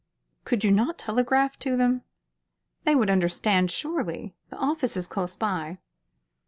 "Could you not telegraph to them? They would understand, surely. The office is close by."